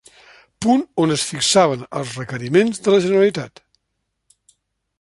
Punt on es fixaven els requeriments de la Generalitat.